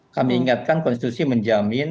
kami ingatkan konstitusi menjamin